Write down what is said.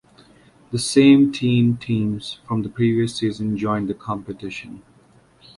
The same tean teams from the previous season joined the competition.